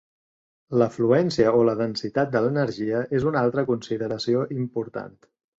La fluència o la densitat de l'energia és una altra consideració important.